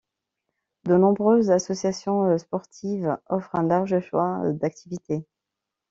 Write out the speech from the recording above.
De nombreuses associations sportives offrent un large choix d'activités.